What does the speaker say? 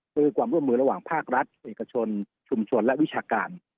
คือความร่วมมือระหว่างภาครัฐเอกชนชุมชนและวิชาการ